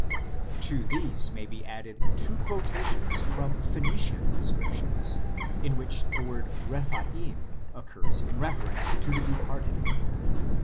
To these may be added two quotations from Phoenician inscriptions in which the word Rephaim occurs in reference to the departed.